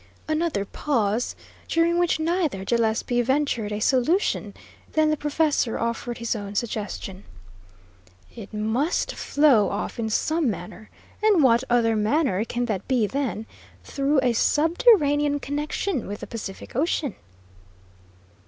Another pause, during which neither Gillespie ventured a solution; then the professor offered his own suggestion: "It must flow off in some manner, and what other manner can that be than through a subterranean connection with the Pacific Ocean?"